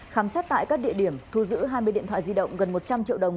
khám xét tại các địa điểm thu giữ hai mươi điện thoại di động gần một trăm linh triệu đồng